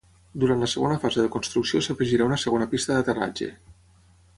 Durant la segona fase de construcció s'afegirà una segona pista d'aterratge.